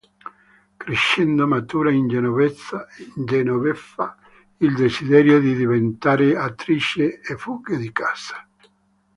Crescendo, matura in Genoveffa il desiderio di diventare attrice e fugge di casa.